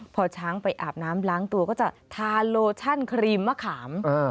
พอช้างไปอาบน้ำล้างตัวก็จะทานโลชั่นครีมมะขาม